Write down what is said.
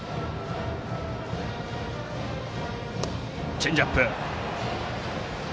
チェンジアップ。